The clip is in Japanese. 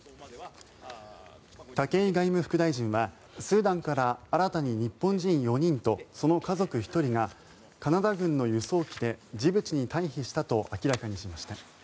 武井外務副大臣はスーダンから新たに日本人４人とその家族１人がカナダ軍の輸送機でジブチに退避したと明らかにしました。